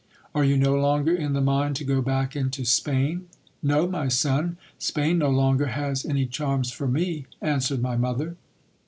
Are you no longer in the mind to go back into Spain ? No, my son ; Spain no longer has any charms for me, answered my mother.